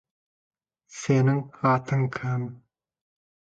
Қазақта айран көп, орыста мейрам көп.